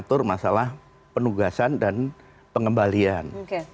mengatur masalah penugasan dan pengembalian